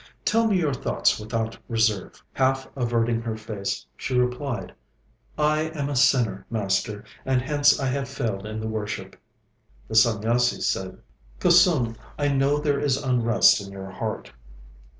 'Tell me your thoughts without reserve.' Half averting her face, she replied: 'I am a sinner, Master, and hence I have failed in the worship.' The Sanyasi said: 'Kusum, I know there is unrest in your heart.'